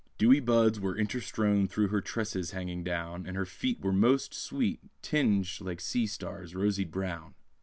Dewy buds were interstrown Through her tresses hanging down, And her feet Were most sweet, Tinged like sea stars, rosied brown.